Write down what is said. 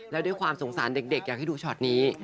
แล้วด้วยความสงสารเด็กอยากให้ดูช็อตนี้